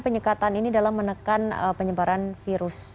penyekatan ini dalam menekan penyebaran virus